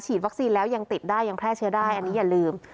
วัคซีนแล้วยังติดได้ยังแพร่เชื้อได้อันนี้อย่าลืม